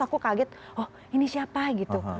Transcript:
aku kaget oh ini siapa gitu